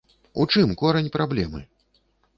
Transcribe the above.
У чым корань праблемы?